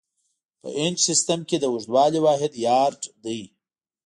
په انچ سیسټم کې د اوږدوالي واحد یارډ دی.